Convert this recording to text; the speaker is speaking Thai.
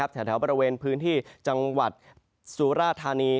แถวระเบิ่นพื้นที่จังหวัดสุรษนาธารณี